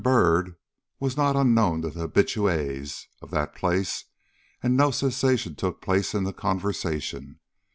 Byrd was not unknown to the habitués of that place, and no cessation took place in the conversation.